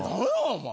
お前。